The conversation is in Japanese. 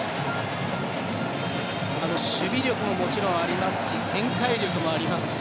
守備力も、もちろんありますし展開力もありますし